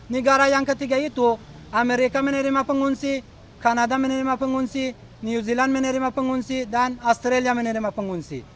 negara yang ketiga itu amerika menerima pengunci kanada menerima pengunci new zealand menerima pengunci dan australia menerima pengunci